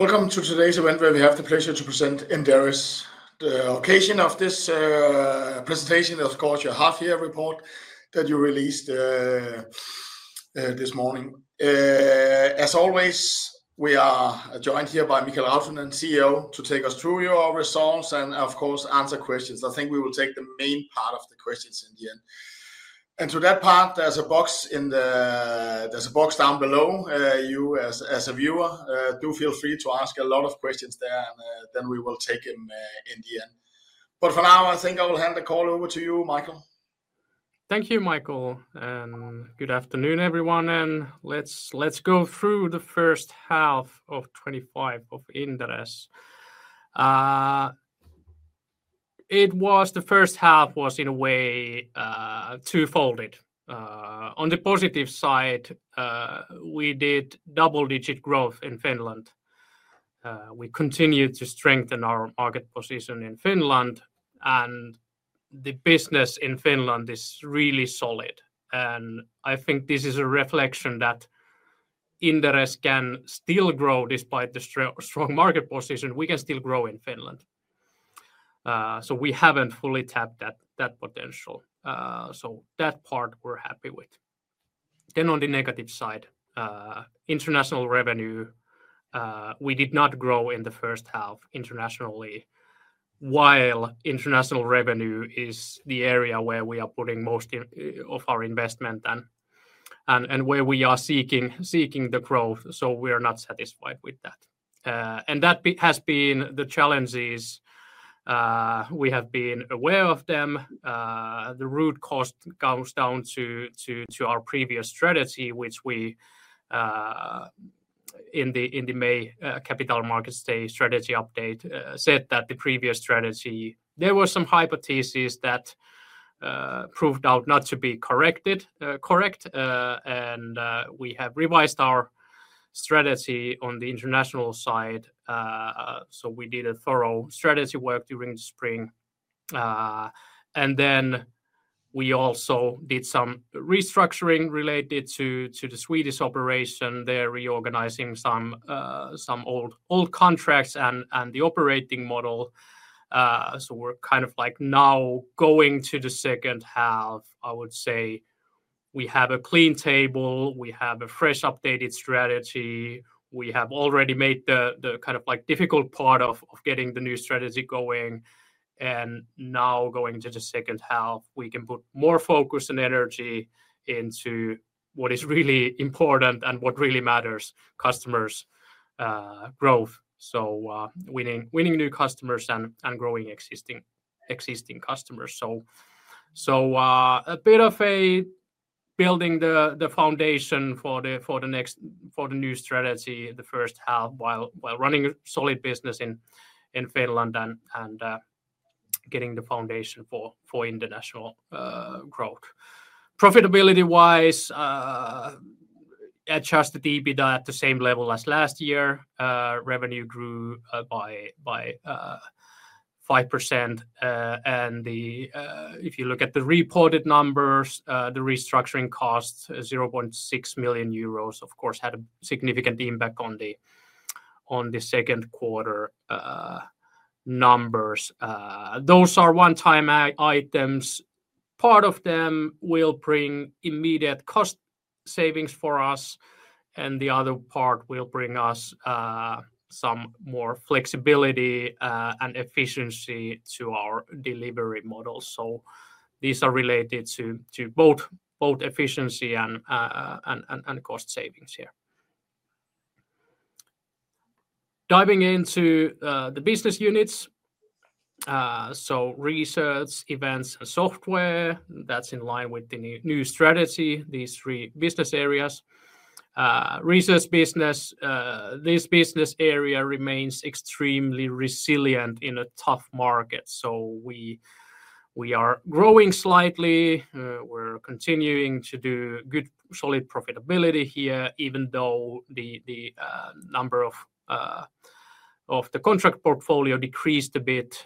Welcome to today's event where we have the pleasure to present Inderes. The occasion of this presentation is, of course, your half-year report that you released this morning. As always, we are joined here by Mikael Rautanen, CEO, to take us through your results and, of course, answer questions. I think we will take the main part of the questions in the end. To that part, there's a box down below. You, as a viewer, do feel free to ask a lot of questions there, and then we will take them in the end. For now, I think I will hand the call over to you, Mikael. Thank you, Michael. Good afternoon, everyone. Let's go through the first half of 2025 of Inderes. The first half was, in a way, two-folded. On the positive side, we did double-digit growth in Finland. We continued to strengthen our market position in Finland, and the business in Finland is really solid. I think this is a reflection that Inderes can still grow despite the strong market position. We can still grow in Finland, so we haven't fully tapped that potential. That part we're happy with. On the negative side, international revenue did not grow in the first half internationally, while international revenue is the area where we are putting most of our investment and where we are seeking the growth. We are not satisfied with that, and that has been the challenge. We have been aware of them. The root cause comes down to our previous strategy, which we, in the May Capital Markets Day strategy update, said that the previous strategy, there were some hypotheses that proved out not to be correct. We have revised our strategy on the international side. We did a thorough strategy work during the spring, and we also did some restructuring related to the Swedish operation, reorganizing some old contracts and the operating model. We're kind of like now going to the second half. I would say we have a clean table. We have a fresh, updated strategy. We have already made the kind of like difficult part of getting the new strategy going. Now, going to the second half, we can put more focus and energy into what is really important and what really matters: customers, growth. Winning new customers and growing existing customers. A bit of building the foundation for the new strategy, the first half, while running solid business in Finland and getting the foundation for international growth. Profitability-wise, adjusted EBITDA at the same level as last year, revenue grew by 5%. If you look at the reported numbers, the restructuring cost, €0.6 million, of course, had a significant impact on the second quarter numbers. Those are one-time items. Part of them will bring immediate cost savings for us, and the other part will bring us some more flexibility and efficiency to our delivery model. These are related to both efficiency and cost savings here. Diving into the business units, research, events, and software, that's in line with the new strategy, these three business areas. Research business, this business area remains extremely resilient in a tough market. We are growing slightly. We're continuing to do good, solid profitability here, even though the number of the contract portfolio decreased a bit.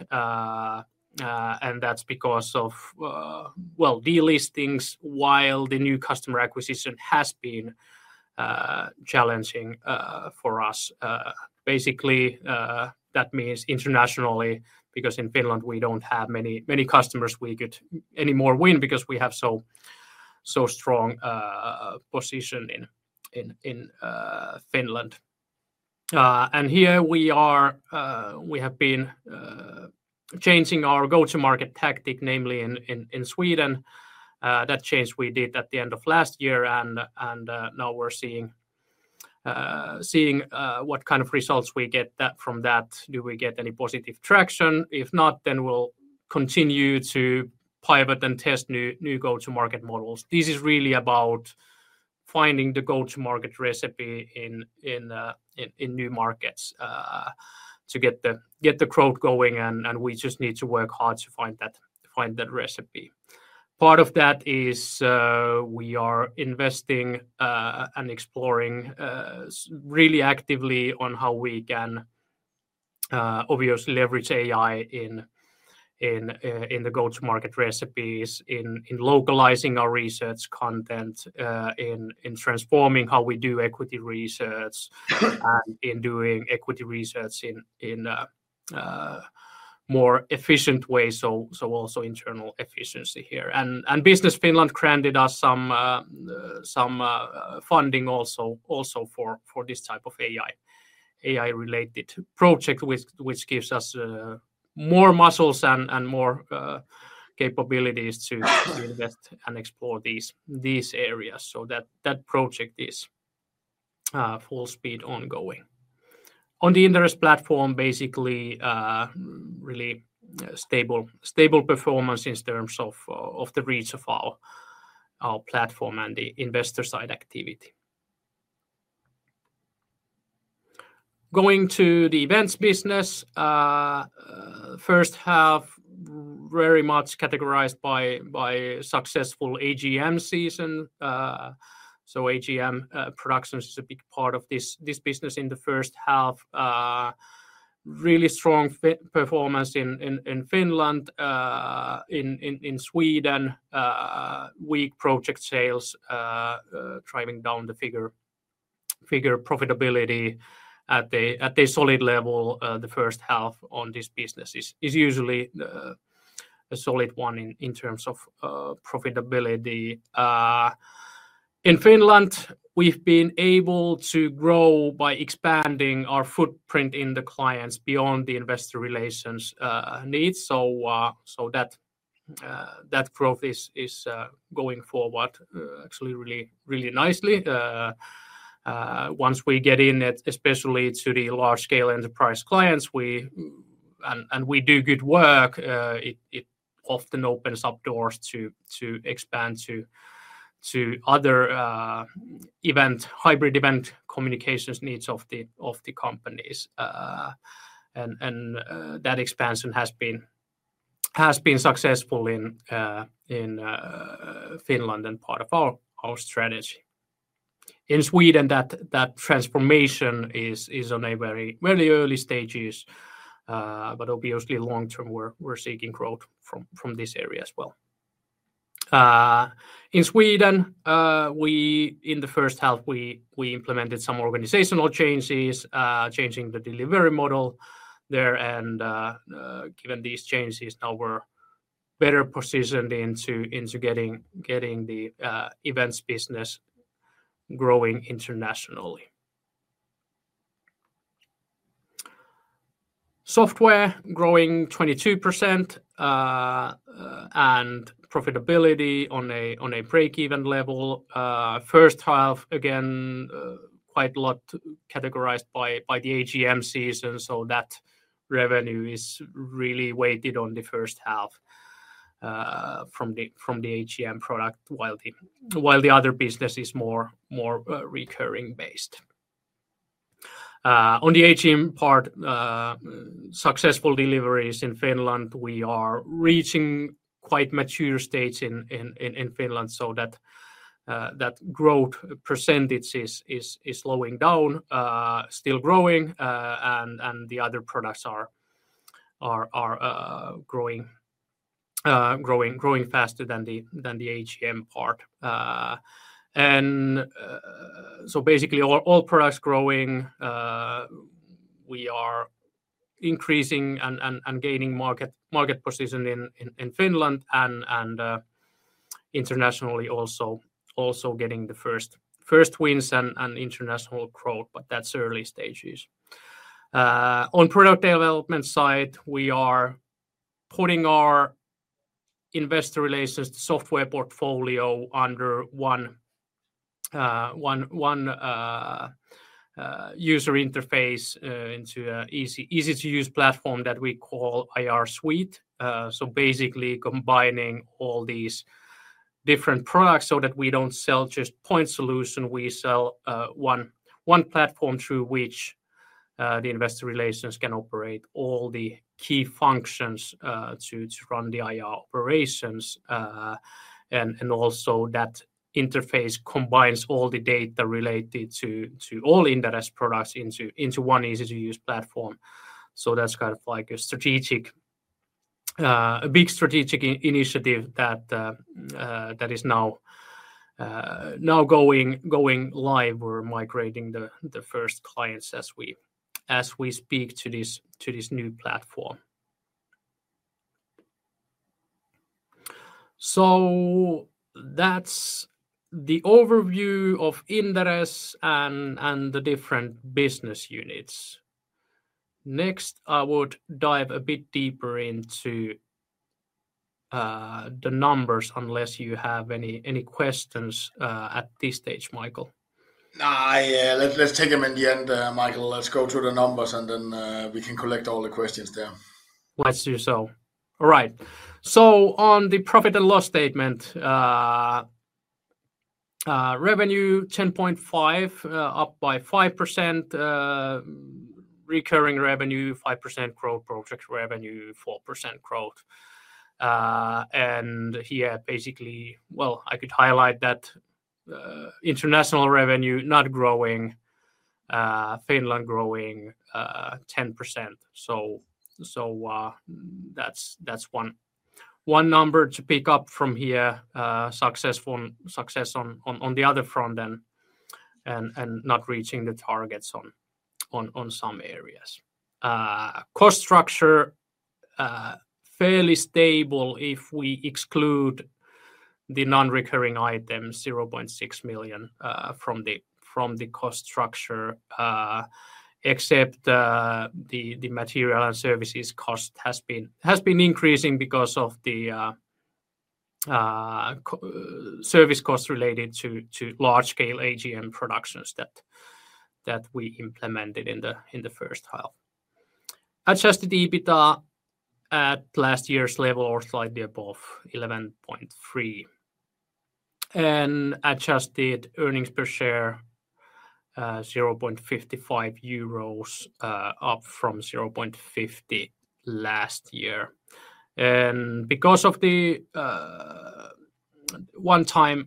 That's because of delistings while the new customer acquisition has been challenging for us. Basically, that means internationally because in Finland, we don't have many customers we could anymore win because we have so strong position in Finland. Here we are, we have been changing our go-to-market tactic, namely in Sweden. That change we did at the end of last year. Now we're seeing what kind of results we get from that. Do we get any positive traction? If not, then we'll continue to pivot and test new go-to-market models. This is really about finding the go-to-market recipe in new markets, to get the crowd going. We just need to work hard to find that recipe. Part of that is, we are investing and exploring really actively on how we can obviously leverage AI in the go-to-market recipes, in localizing our research content, in transforming how we do equity research, and in doing equity research in more efficient ways. Also internal efficiency here. Business Finland granted us some funding also for this type of AI-related project, which gives us more muscles and more capabilities to invest and explore these areas. That project is full speed ongoing. On the Inderes platform, basically, really stable performance in terms of the reach of our platform and the investor side activity. Going to the events business, first half very much categorized by successful AGM season. AGM production is a big part of this business in the first half. Really strong performance in Finland. In Sweden, weak project sales driving down the figure, profitability at the solid level. The first half on this business is usually a solid one in terms of profitability. In Finland, we've been able to grow by expanding our footprint in the clients beyond the investor relations needs. That growth is going forward actually really, really nicely. Once we get in, especially to the large-scale enterprise clients, and we do good work, it often opens up doors to expand to other event, hybrid event communications needs of the companies. That expansion has been successful in Finland and part of our strategy. In Sweden, that transformation is at a very, very early stage. Obviously, long term, we're seeking growth from this area as well. In Sweden, in the first half, we implemented some organizational changes, changing the delivery model there. Given these changes, now we're better positioned to get the events business growing internationally. Software growing 22%, and profitability on a break-even level. First half, again, quite a lot categorized by the AGM season. That revenue is really weighted on the first half from the AGM product, while the other business is more recurring-based. On the AGM part, successful deliveries in Finland, we are reaching quite a mature stage in Finland. That growth percentage is slowing down, still growing, and the other products are growing faster than the AGM part. Basically, all products growing, we are increasing and gaining market position in Finland and internationally also getting the first wins and international growth, but that's early stages. On product development side, we are putting our investor relations software portfolio under one user interface, into an easy-to-use platform that we call IR Suite. Basically combining all these different products so that we don't sell just point solution. We sell one platform through which the investor relations can operate all the key functions to run the IR operations. Also, that interface combines all the data related to all Inderes products into one easy-to-use platform. That's kind of like a big strategic initiative that is now going live. We're migrating the first clients as we speak to this new platform. That's the overview of Inderes and the different business units. Next, I would dive a bit deeper into the numbers, unless you have any questions at this stage, Michael. No, let's take them in the end, Michael. Let's go through the numbers, and then we can collect all the questions there. All right. On the profit and loss statement, revenue €10.5 million, up by 5%, recurring revenue 5% growth, project revenue 4% growth. Here, I could highlight that international revenue not growing, Finland growing 10%. That's one number to pick up from here, successful success on the other front and not reaching the targets on some areas. Cost structure fairly stable if we exclude the non-recurring items, €0.6 million from the cost structure, except the material and services cost has been increasing because of the service costs related to large-scale AGM season productions that we implemented in the first half. Adjusted EBITDA at last year's level or slightly above, €1.13 million. Adjusted EPS €0.55, up from €0.50 last year. Because of the one-time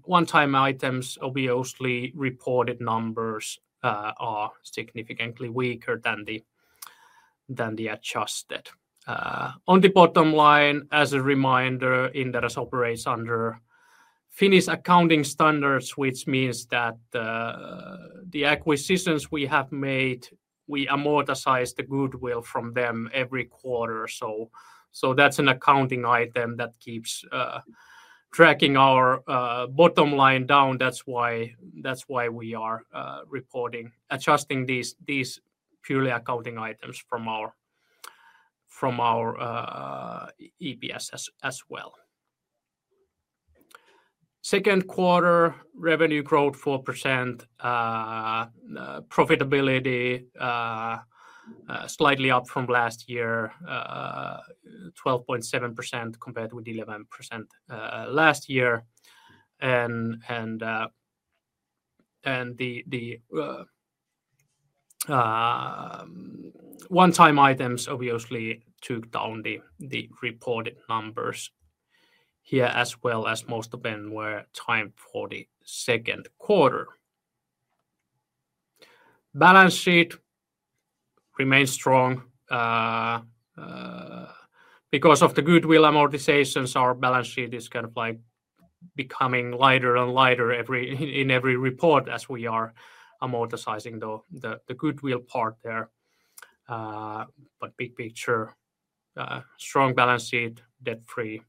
items, obviously reported numbers are significantly weaker than the adjusted. On the bottom line, as a reminder, Inderes operates under Finnish accounting standards, which means that the acquisitions we have made, we amortize the goodwill from them every quarter. That's an accounting item that keeps tracking our bottom line down. That's why we are reporting, adjusting these purely accounting items from our EPS as well. Second quarter, revenue growth 4%, profitability slightly up from last year, 12.7% compared with 11% last year. The one-time items obviously took down the reported numbers here as well as most of them were timed for the second quarter. Balance sheet remains strong. Because of the goodwill amortizations, our balance sheet is kind of like becoming lighter and lighter in every report as we are amortizing the goodwill part there. Big picture, strong balance sheet, debt-free,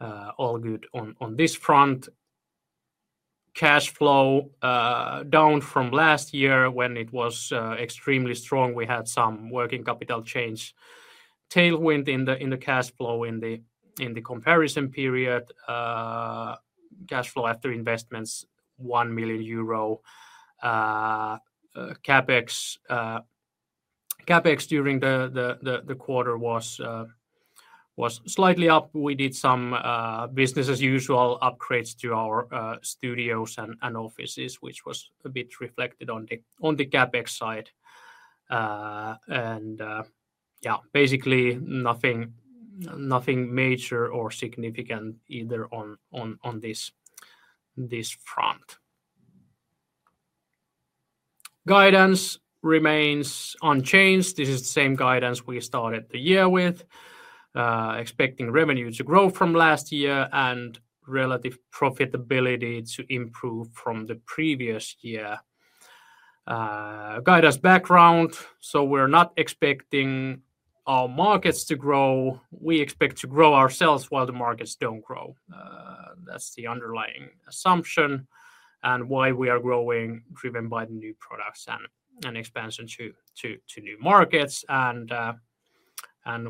all good on this front. Cash flow down from last year when it was extremely strong. We had some working capital change tailwind in the cash flow in the comparison period. Cash flow after investments €1 million. CapEx during the quarter was slightly up. We did some business as usual upgrades to our studios and offices, which was a bit reflected on the CapEx side. Basically, nothing major or significant either on this front. Guidance remains unchanged. This is the same guidance we started the year with, expecting revenue to grow from last year and relative profitability to improve from the previous year. Guidance background. We're not expecting our markets to grow. We expect to grow ourselves while the markets don't grow. That's the underlying assumption and why we are growing, driven by the new products and expansion to new markets.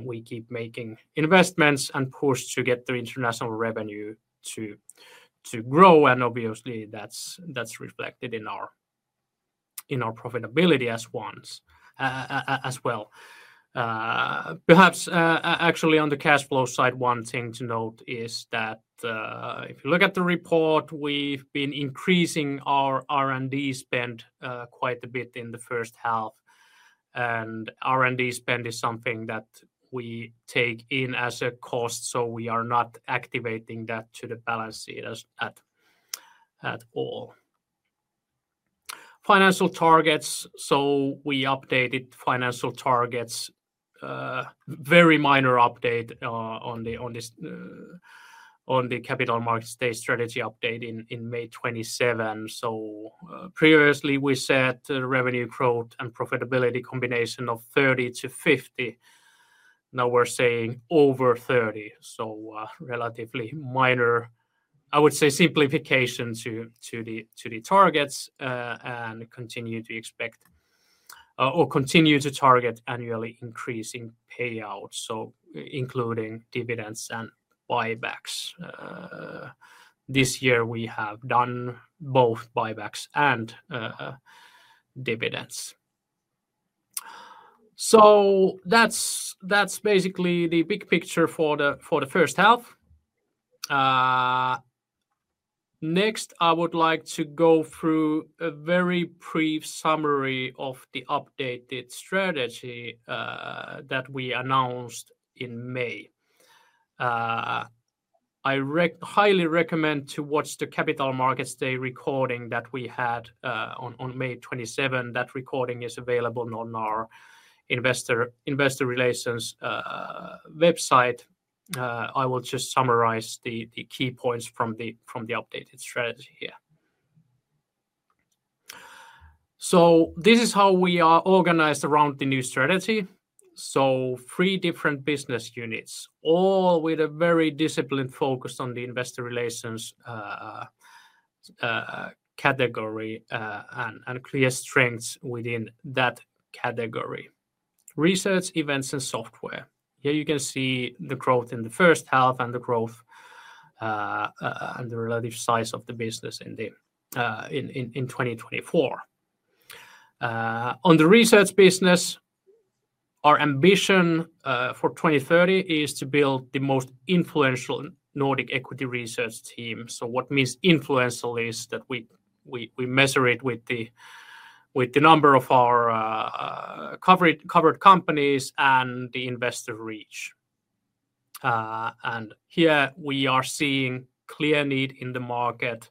We keep making investments and push to get the international revenue to grow. Obviously, that's reflected in our profitability as well. Perhaps, actually, on the cash flow side, one thing to note is that if you look at the report, we've been increasing our R&D spend quite a bit in the first half. R&D spend is something that we take in as a cost. We are not activating that to the balance sheet at all. Financial targets. We updated financial targets, very minor update on the Capital Markets Day strategy update in May 2027. Previously, we said revenue growth and profitability combination of 30- 50. Now we're saying over 30. Relatively minor, I would say, simplification to the targets and continue to expect or continue to target annually increasing payouts, including dividends and buybacks. This year, we have done both buybacks and dividends. That's basically the big picture for the first half. Next, I would like to go through a very brief summary of the updated strategy that we announced in May. I highly recommend to watch the Capital Markets Day recording that we had on May 27, 2027. That recording is available on our investor relations website. I will just summarize the key points from the updated strategy here. This is how we are organized around the new strategy. Three different business units, all with a very disciplined focus on the investor relations category and clear strengths within that category: research, events, and software. Here you can see the growth in the first half and the growth and the relative size of the business in 2024. On the research business, our ambition for 2030 is to build the most influential Nordic equity research team. What means influential is that we measure it with the number of our covered companies and the investor reach. Here we are seeing clear need in the market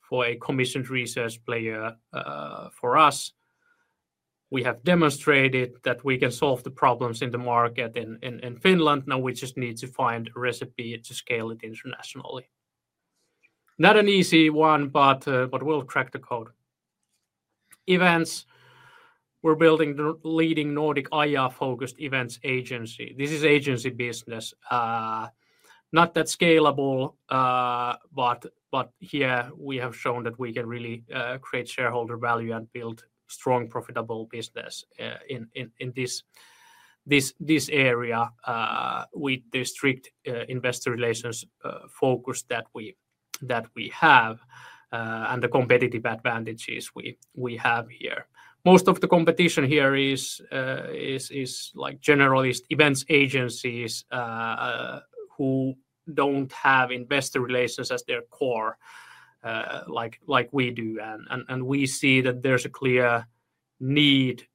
for a commissioned research player for us. We have demonstrated that we can solve the problems in the market in Finland. Now we just need to find a recipe to scale it internationally. Not an easy one, but we'll crack the code. Events, we're building the leading Nordic IR-focused events agency. This is agency business. Not that scalable, but here we have shown that we can really create shareholder value and build strong, profitable business in this area with the strict investor relations focus that we have and the competitive advantages we have here. Most of the competition here is like generalist events agencies who don't have investor relations at their core like we do. We see that there's a clear need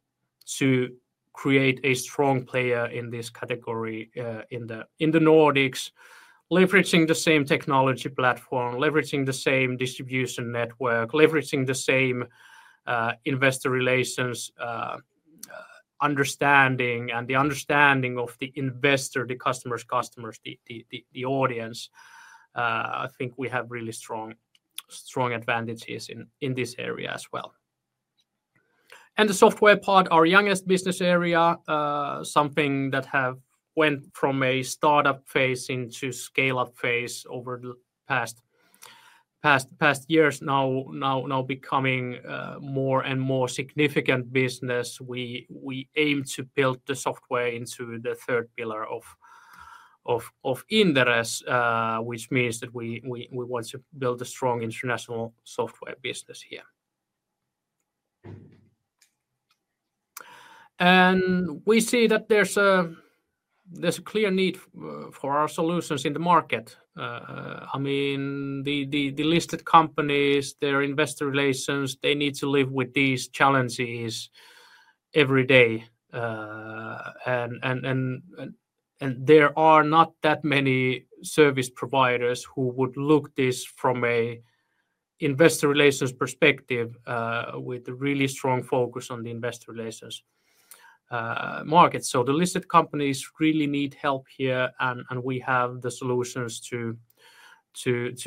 to create a strong player in this category in the Nordics, leveraging the same technology platform, leveraging the same distribution network, leveraging the same investor relations understanding, and the understanding of the investor, the customer's customers, the audience. I think we have really strong advantages in this area as well. The software part, our youngest business area, is something that went from a startup phase into scale-up phase over the past years, now becoming more and more significant business. We aim to build the software into the third pillar of Inderes, which means that we want to build a strong international software business here. We see that there's a clear need for our solutions in the market. I mean, the listed companies, their investor relations, they need to live with these challenges every day. There are not that many service providers who would look at this from an investor relations perspective with a really strong focus on the investor relations market. The listed companies really need help here, and we have the solutions to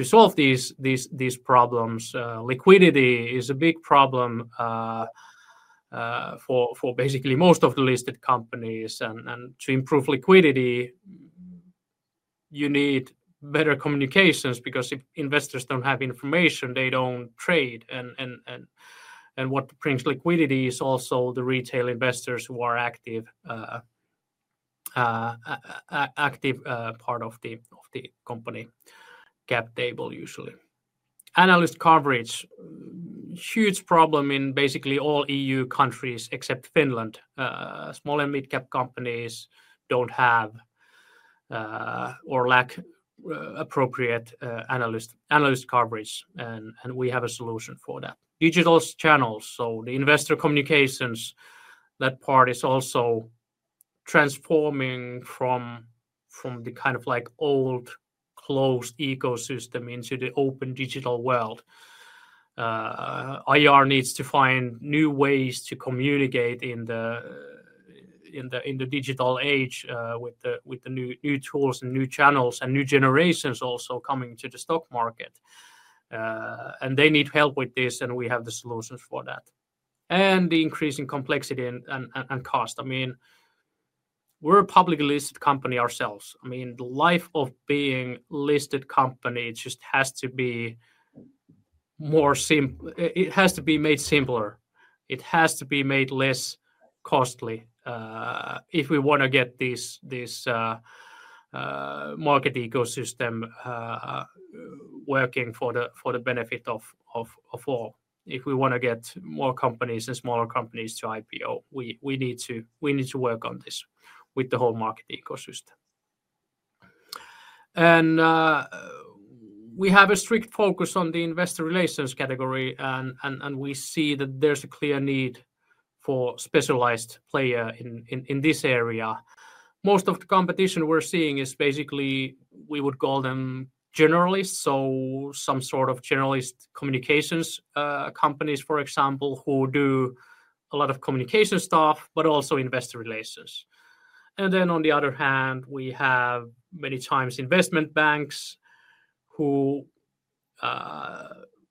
solve these problems. Liquidity is a big problem for basically most of the listed companies. To improve liquidity, you need better communications because if investors don't have information, they don't trade. What brings liquidity is also the retail investors who are an active part of the company cap table, usually. Analyst coverage is a huge problem in basically all EU countries except Finland. Small and mid-cap companies don't have or lack appropriate analyst coverage, and we have a solution for that. Digital channels, so the investor communications, that part is also transforming from the kind of like old closed ecosystem into the open digital world. IR needs to find new ways to communicate in the digital age with the new tools and new channels and new generations also coming to the stock market. They need help with this, and we have the solutions for that. The increasing complexity and cost. I mean, we're a publicly listed company ourselves. I mean, the life of being a listed company just has to be more simple. It has to be made simpler. It has to be made less costly if we want to get this market ecosystem working for the benefit of all. If we want to get more companies and smaller companies to IPO, we need to work on this with the whole market ecosystem. We have a strict focus on the investor relations category, and we see that there's a clear need for a specialized player in this area. Most of the competition we're seeing is basically, we would call them generalists, some sort of generalist communications companies, for example, who do a lot of communication stuff, but also investor relations. On the other hand, we have many times investment banks who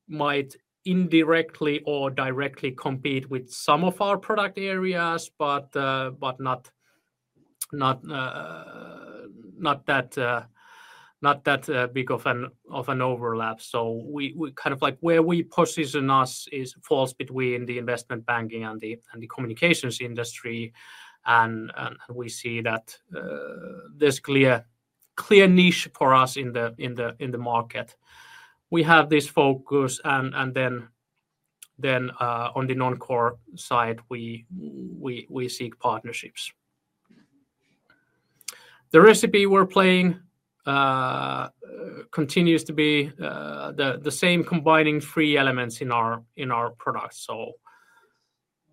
might indirectly or directly compete with some of our product areas, but not that big of an overlap. We kind of like where we position us, falls between the investment banking and the communications industry. We see that there's a clear niche for us in the market. We have this focus, and on the non-core side, we seek partnerships. The recipe we're playing continues to be the same, combining three elements in our products.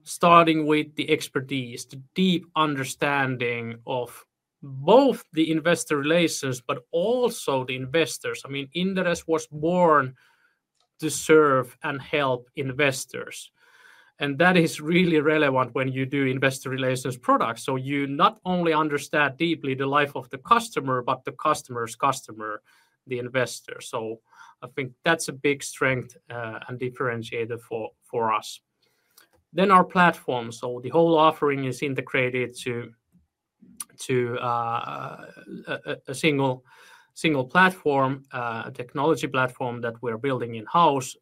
Starting with the expertise, the deep understanding of both the investor relations, but also the investors. Inderes was born to serve and help investors. That is really relevant when you do investor relations products. You not only understand deeply the life of the customer, but the customer's customer, the investor. I think that's a big strength and differentiator for us. Then our platform. The whole offering is integrated to a single platform, a technology platform that we're building in-house.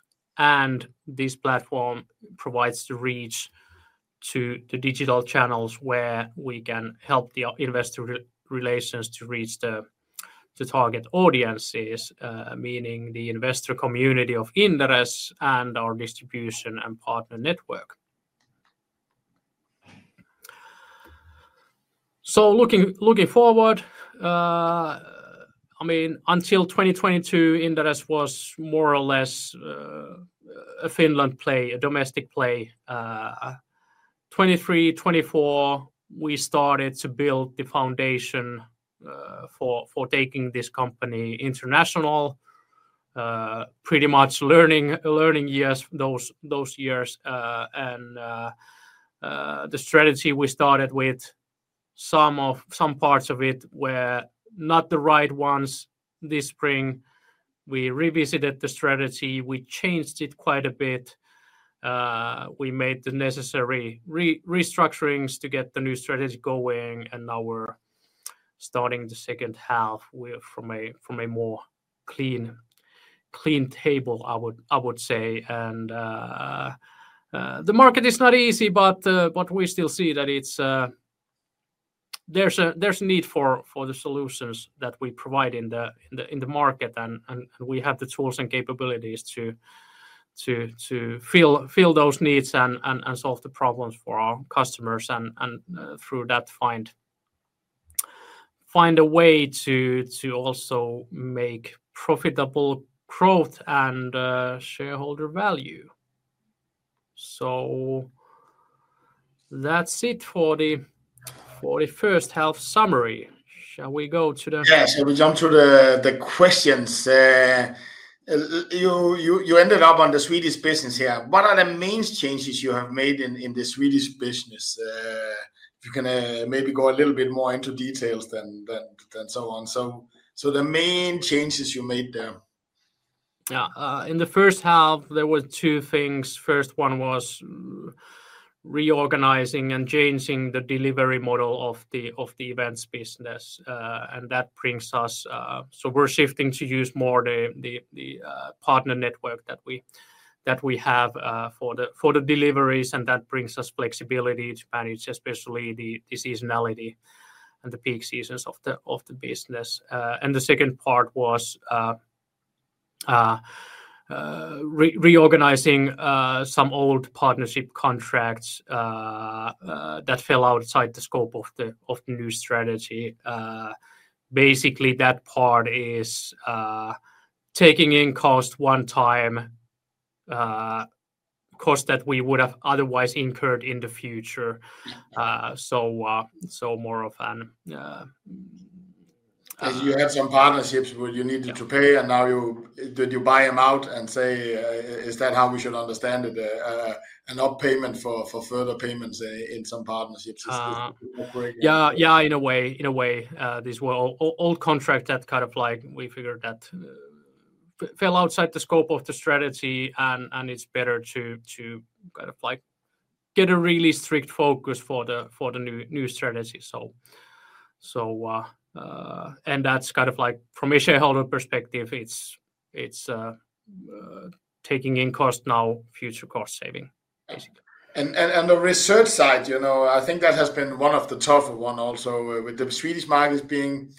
This platform provides the reach to the digital channels where we can help the investor relations to reach the target audiences, meaning the investor community of Inderes and our distribution and partner network. Looking forward, until 2022, Inderes was more or less a Finland play, a domestic play. 2023, 2024, we started to build the foundation for taking this company international, pretty much learning years those years. The strategy we started with, some parts of it were not the right ones. This spring, we revisited the strategy. We changed it quite a bit. We made the necessary restructurings to get the new strategy going. Now we're starting the second half from a more clean table, I would say. The market is not easy, but we still see that there's a need for the solutions that we provide in the market. We have the tools and capabilities to fill those needs and solve the problems for our customers, and through that find a way to also make profitable growth and shareholder value. That's it for the first half summary. Shall we go to the? Yeah, shall we jump through the questions? You ended up on the Swedish business here. What are the main changes you have made in the Swedish business? If you can maybe go a little bit more into details than so on, the main changes you made there? In the first half, there were two things. The first one was reorganizing and changing the delivery model of the events business. That brings us, we're shifting to use more the partner network that we have for the deliveries. That brings us flexibility to manage especially the seasonality and the peak seasons of the business. The second part was reorganizing some old partnership contracts that fell outside the scope of the new strategy. Basically, that part is taking in cost one time, cost that we would have otherwise incurred in the future. More of an. You had some partnerships where you needed to pay, and now you buy them out and say, is that how we should understand it? An up payment for further payments in some partnerships? In a way, these were all contracts that kind of like we figured that fell outside the scope of the strategy. It's better to kind of like get a really strict focus for the new strategy. From a shareholder perspective, it's taking in cost now, future cost saving, basically. On the research side, I think that has been one of the tougher ones also with the Swedish markets being,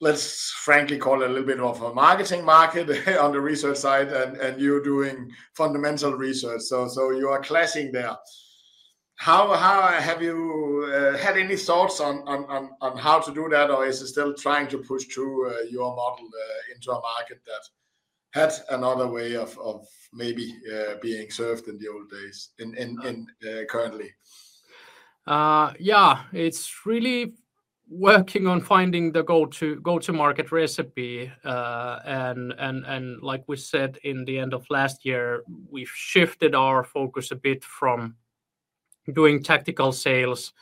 let's frankly call it, a little bit of a marketing market on the research side, and you're doing fundamental research. You are clashing there. Have you had any thoughts on how to do that, or is it still trying to push through your model into a market that had another way of maybe being served in the old days and currently? Yeah, it's really working on finding the go-to-market recipe. Like we said at the end of last year, we've shifted our focus a bit from doing tactical sales,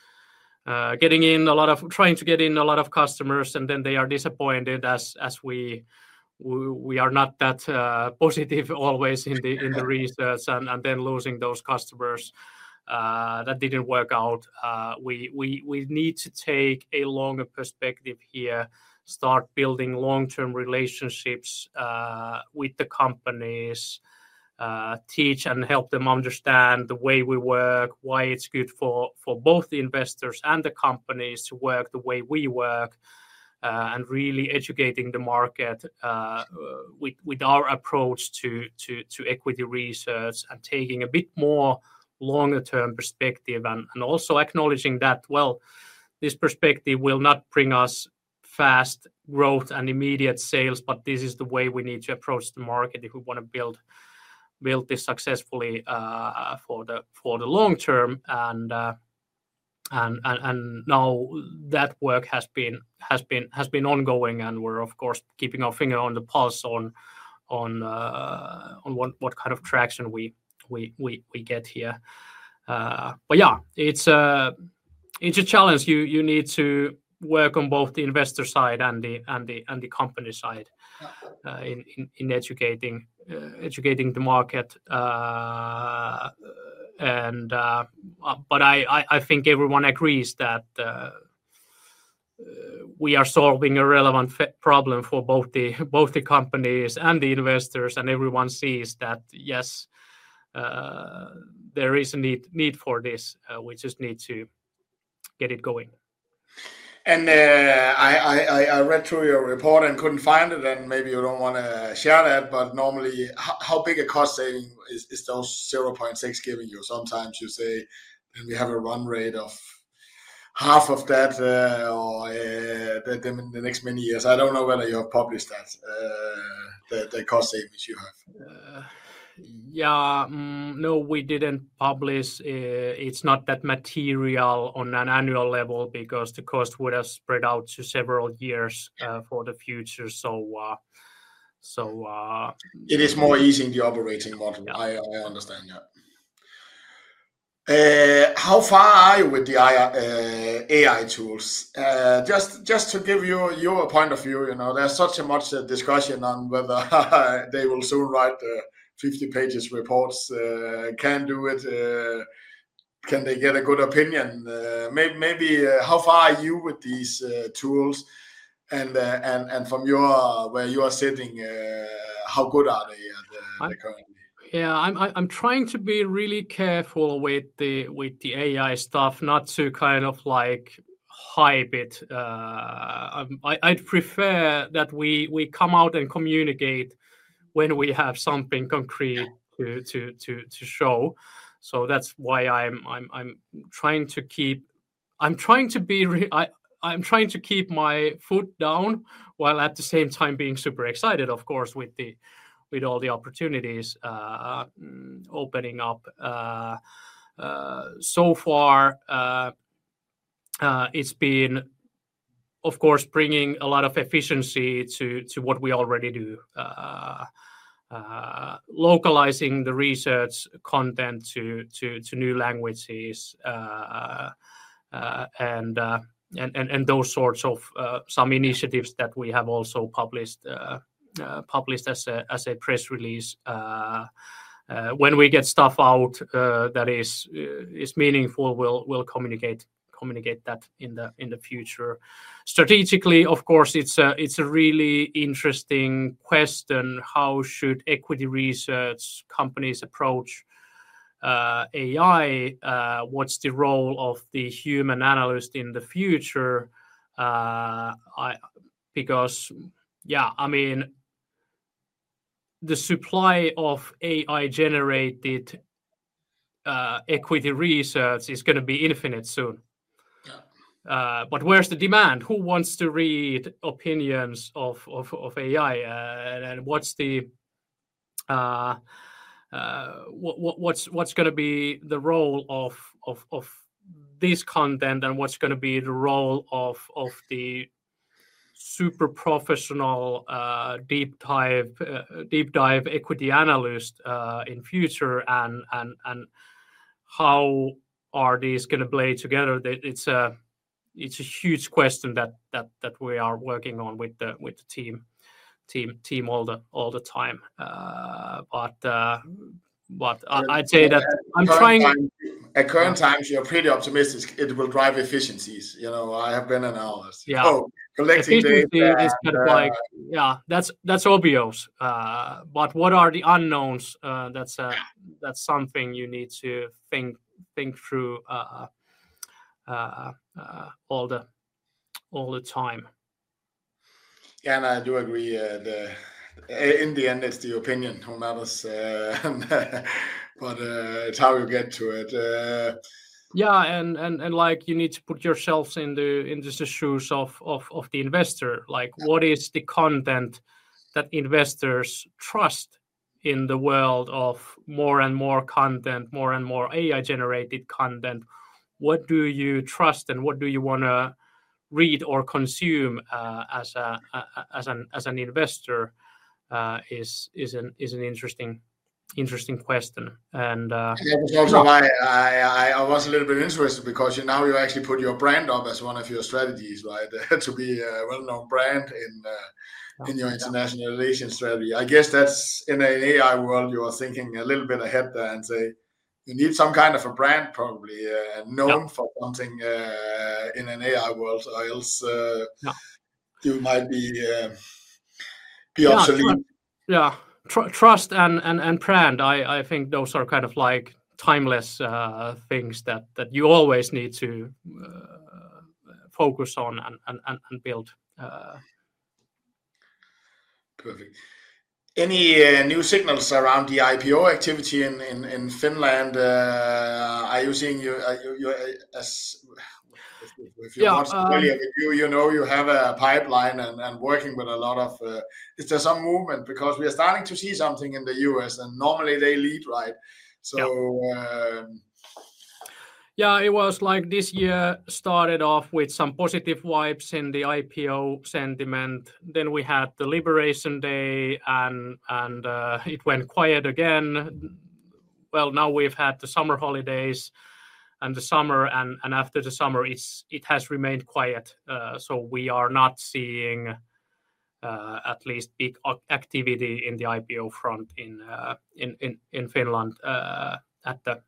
getting in a lot of trying to get in a lot of customers, and then they are disappointed as we are not that positive always in the research and then losing those customers that didn't work out. We need to take a longer perspective here, start building long-term relationships with the companies, teach and help them understand the way we work, why it's good for both the investors and the companies to work the way we work, and really educating the market with our approach to equity research and taking a bit more longer-term perspective. Also, acknowledging that this perspective will not bring us fast growth and immediate sales, this is the way we need to approach the market if we want to build this successfully for the long term. That work has been ongoing, and we're, of course, keeping our finger on the pulse on what kind of traction we get here. Yeah, it's a challenge. You need to work on both the investor side and the company side in educating the market. I think everyone agrees that we are solving a relevant problem for both the companies and the investors, and everyone sees that, yes, there is a need for this. We just need to get it going. I read through your report and couldn't find it, and maybe you don't want to share that, but normally, how big a cost saving is those €0.6 million giving you? Sometimes you say, and we have a run rate of half of that or the next many years. I don't know whether you have published that, the cost savings you have. Yeah. No, we didn't publish. It's not that material on an annual level because the cost would have spread out to several years for the future. It is more easing the operating model. I understand. How far are you with the AI tools? Just to give you your point of view, you know there's such a much discussion on whether they will soon write the 50-page reports. Can they get a good opinion? Maybe how far are you with these tools? From where you are sitting, how good are they at the current? I'm trying to be really careful with the AI stuff, not to hide it. I'd prefer that we come out and communicate when we have something concrete to show. That's why I'm trying to keep my foot down while at the same time being super excited, of course, with all the opportunities opening up. So far, it's been bringing a lot of efficiency to what we already do, localizing the research content to new languages, and those sorts of initiatives that we have also published as a press release. When we get stuff out that is meaningful, we'll communicate that in the future. Strategically, it's a really interesting question. How should equity research companies approach AI? What's the role of the human analyst in the future? The supply of AI-generated equity research is going to be infinite soon, but where's the demand? Who wants to read opinions of AI? What's going to be the role of this content? What's going to be the role of the super professional deep dive equity analyst in the future? How are these going to blend together? It's a huge question that we are working on with the team all the time. I'd say that I'm trying. At current times, you're pretty optimistic it will drive efficiencies. I have been in ours. Yeah. Oh, the legacy partnership contracts. Yeah, that's obvious. What are the unknowns? That's something you need to think through all the time. Yeah, I do agree. In the end, it's the opinion who matters, but it's how you get to it. You need to put yourself in the shoes of the investor. What is the content that investors trust in the world of more and more content, more and more AI-generated content? What do you trust and what do you want to read or consume as an investor is an interesting question. Yeah, because I was a little bit interested because now you actually put your brand up as one of your strategies, right? To be a well-known brand in your investor relations strategy. I guess that's in an AI world, you are thinking a little bit ahead there and say you need some kind of a brand probably and known for something in an AI world or else, yeah, you might be obsolete. Trust and brand, I think those are kind of like timeless things that you always need to focus on and build. Perfect. Any new signals around the IPO activity in Finland? Are you seeing your, you have a pipeline and working with a lot of, is there some movement? Because we are starting to see something in the U.S., and normally they lead, right? Yeah, it was like this year started off with some positive vibes in the IPO sentiment. Then we had the Liberation Day, and it went quiet again. Now we've had the summer holidays and the summer, and after the summer, it has remained quiet. We are not seeing at least big activity in the IPO front in Finland at the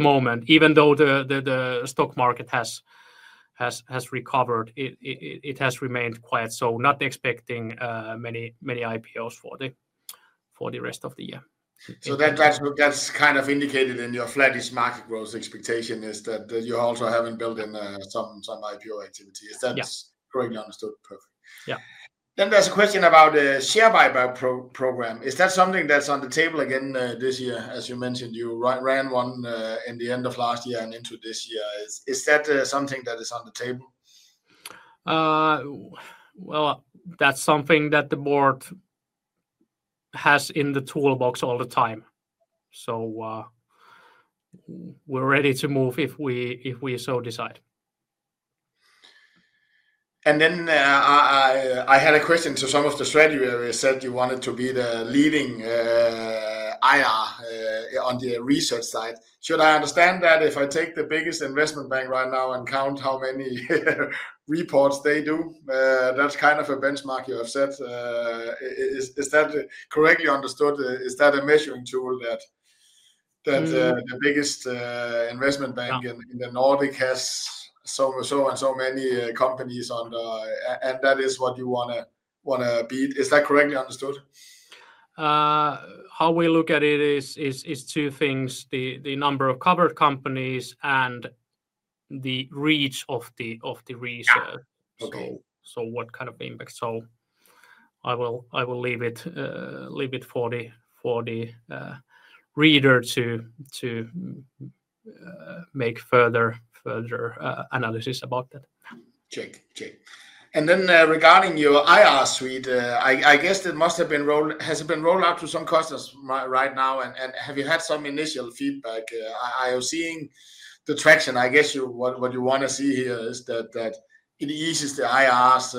moment. Even though the stock market has recovered, it has remained quiet. Not expecting many IPOs for the rest of the year. That’s kind of indicated in your flattish market growth expectation, is that you also haven't built in some IPO activity. Yes. Is that correctly understood? Perfect. Yeah. There's a question about the share buyback program. Is that something that's on the table again this year? As you mentioned, you ran one at the end of last year and into this year. Is that something that is on the table? That is something that the board has in the toolbox all the time. We are ready to move if we so decide. I had a question to some of the strategy. You said you wanted to be the leading IR on the research side. Should I understand that if I take the biggest investment bank right now and count how many reports they do, that's kind of a benchmark you have set. Is that correctly understood? Is that a measuring tool that the biggest investment bank in the Nordic has so and so many companies under, and that is what you want to beat? Is that correctly understood? How we look at it is two things: the number of covered companies and the reach of the research. What kind of impact? I will leave it for the reader to make further analysis about that. Check. Regarding your IR Suite, I guess it must have been rolled out to some customers right now. Have you had some initial feedback? I was seeing the traction. I guess what you want to see here is that it eases the IR's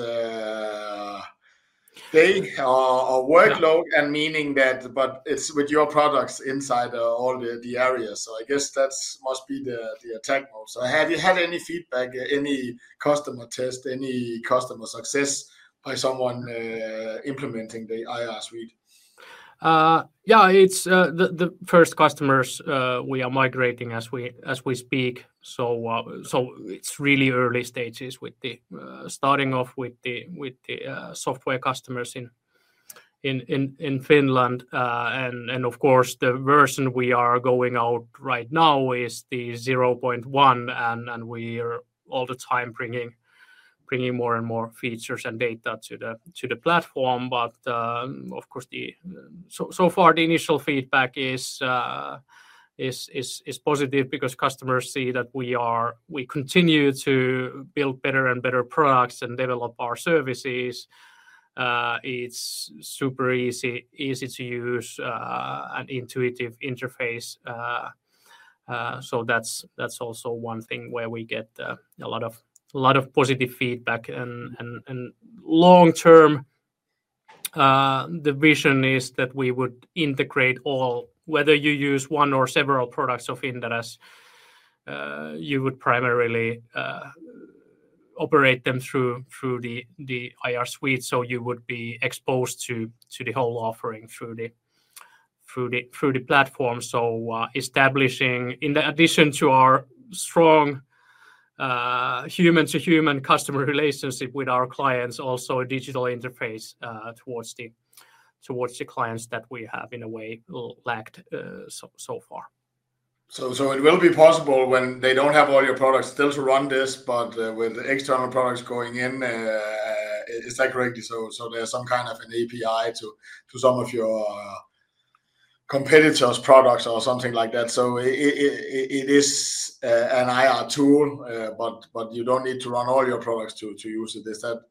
thing or workload, meaning that it's with your products inside all the areas. I guess that must be the attack mode. Have you had any feedback, any customer test, any customer success by someone implementing the IR Suite? Yeah, it's the first customers we are migrating as we speak. It's really early stages with the starting off with the software customers in Finland. Of course, the version we are going out right now is the 0.1, and we are all the time bringing more and more features and data to the platform. Of course, so far, the initial feedback is positive because customers see that we continue to build better and better products and develop our services. It's super easy to use, an intuitive interface. That's also one thing where we get a lot of positive feedback. Long term, the vision is that we would integrate all, whether you use one or several products of Inderes, you would primarily operate them through the IR Suite. You would be exposed to the whole offering through the platform. Establishing, in addition to our strong human-to-human customer relationship with our clients, also a digital interface towards the clients that we have in a way lacked so far. It will be possible when they don't have all your products still to run this, but with the external products going in, is that correct? There's some kind of an API to some of your competitors' products or something like that. It is an IR tool, but you don't need to run all your products to use it.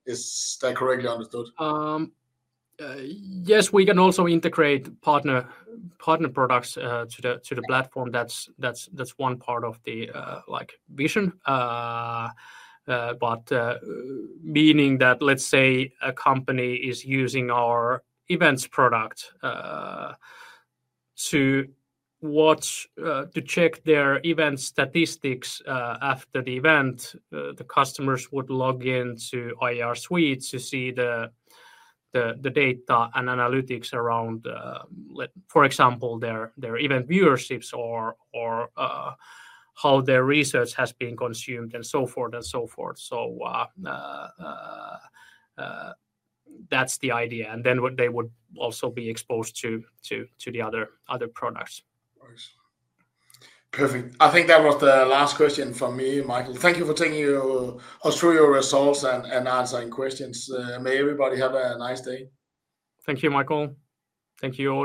Is that correctly understood? Yes, we can also integrate partner products to the platform. That's one part of the vision. Meaning that, let's say a company is using our events product to check their event statistics after the event, the customers would log into IR Suite to see the data and analytics around, for example, their event viewerships or how their research has been consumed and so forth. That's the idea. They would also be exposed to the other products. Perfect. I think that was the last question from me, Mikael. Thank you for taking us through your results and answering questions. May everybody have a nice day. Thank you, Michael. Thank you.